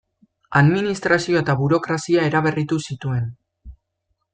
Administrazioa eta burokrazia eraberritu zituen.